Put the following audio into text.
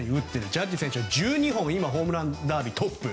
ジャッジ選手は１２本でホームランダービートップ。